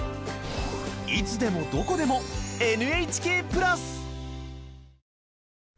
いつでも、どこでもＮＨＫプラス。